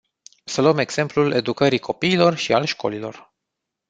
Să luăm exemplul educării copiilor și al școlilor.